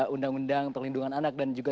undang undang perlindungan anak dan juga